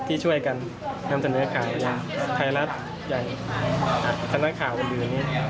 ที่ช่วยกันนำจำเนื้อข่าวไทรลัศน์อย่างสนักข่าวอยู่